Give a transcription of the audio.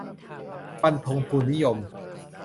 'ฟันธงทุนนิยม'